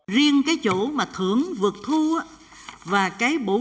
riêng cái chỗ mà thưởng vượt thu và cái bổ